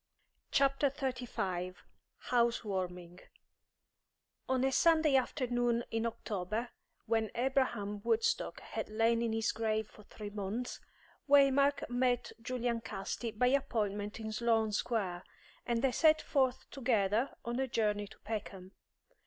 CHAPTER XXXV HOUSE WARMING On a Sunday afternoon in October, when Abraham Woodstock had lain in his grave for three months, Waymark met Julian Casti by appointment in Sloane Square, and they set forth together on a journey to Peckham.